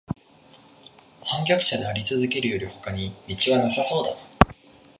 叛逆者でありつづけるよりほかに途はなさそうだ